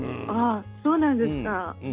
そうなんですか。